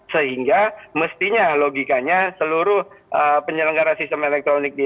sehingga mestinya logikanya seluruh penyelenggara sistem elektronik di indonesia